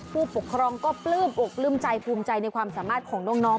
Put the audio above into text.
ผู้ปกครองก็ปลื้มอกปลื้มใจภูมิใจในความสามารถของน้อง